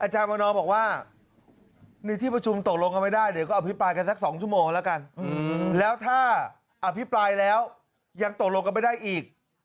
อาจารย์วันนอลบอกว่าในที่ประชุมตกลงกันไม่ได้